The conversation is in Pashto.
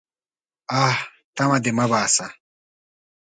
_اه! تمه دې مه باسه.